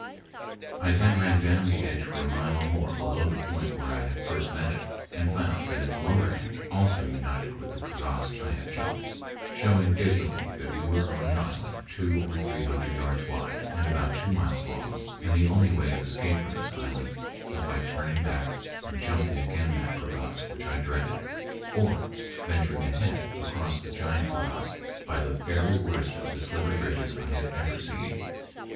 I then ran down the edge for a mile or more below the point where I had first met it, and found that its lower end also united with the crevasse I had jumped, showing dismally that we were on an island two or three hundred yards wide and about two miles long and the only way of escape from this island was by turning back and jumping again that crevasse which I dreaded, or venturing ahead across the giant crevasse by the very worst of the sliver bridges I had ever seen.